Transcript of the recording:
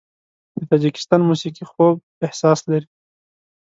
د تاجکستان موسیقي خوږ احساس لري.